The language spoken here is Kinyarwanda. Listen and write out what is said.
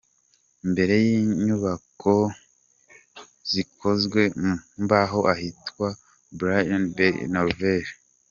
Imbere y'inyubako zikozwe mu mbaho ahitwa Bryggen Bergen, Noruveje.